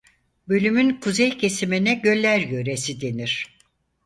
Bölümün kuzey kesimine Göller Yöresi denir.